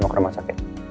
mau ke rumah sakit